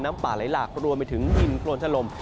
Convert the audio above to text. น้ำป่าไหลหลากรวมไปถึงยินโคลนชะลม